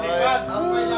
terima kasih ya